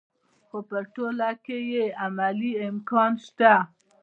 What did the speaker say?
خو په ټوله کې یې عملي امکان شته.